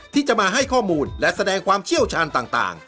ที่จะมาให้ข้อมูลและแสดงความเชี่ยวชาญต่าง